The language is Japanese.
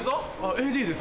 ＡＤです。